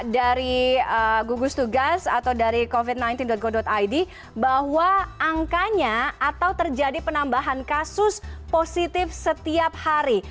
dari gugus tugas atau dari covid sembilan belas go id bahwa angkanya atau terjadi penambahan kasus positif setiap hari